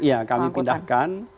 iya kami pindahkan